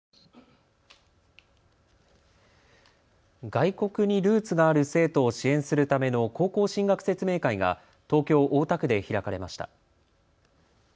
外国にルーツがある生徒を支援するための高校進学説明会が東京大田区で開かれました。